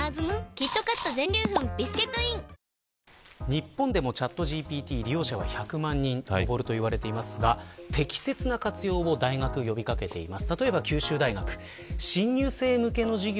日本でもチャットＧＰＴ利用者は１００万に上るといわれていますが適切な活用を大学は呼び掛けています。